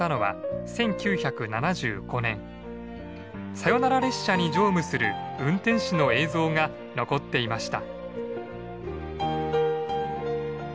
サヨナラ列車に乗務する運転士の映像が残っていました。